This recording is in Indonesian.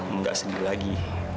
enggak sedih lagi